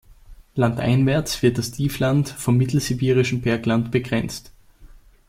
Landeinwärts wird das Tiefland vom Mittelsibirischen Bergland begrenzt.